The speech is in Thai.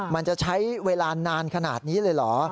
มันจะใช้เวลานานขนาดนี้เลยเหรอ